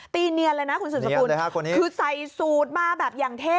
เนียนเลยนะคุณสุดสกุลคือใส่สูตรมาแบบอย่างเท่